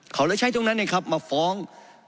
เขาเลยใช้ตรงนั้นนะครับมาฟ้อง